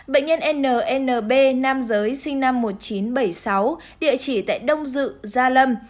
bệnh nhân nb nam giới sinh năm một nghìn chín trăm bảy mươi sáu địa chỉ tại đông dự gia lâm